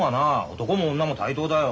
男も女も対等だよ。